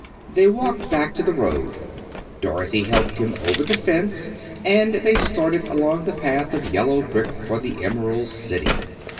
They walked back to the road. Dorothy helped him over the fence, and they started along the path of yellow brick for the Emerald City.